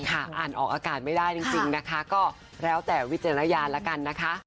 อ่านออกอากาศไม่ได้จริงนะคะก็แล้วแต่วิจารณญาณแล้วกันนะคะ